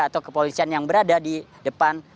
atau kepolisian yang berada di depan